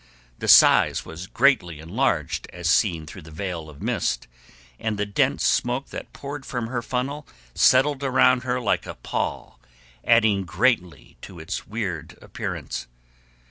The size was greatly enlarged as seen through the veil of mist, and the dense smoke that poured from her funnel settled around her like a pall, adding greatly to its weird appearance.